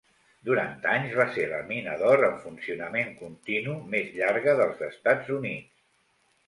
Durant anys, va ser la mina d'or en funcionament continu més llarga dels Estats Units.